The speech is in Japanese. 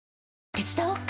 手伝おっか？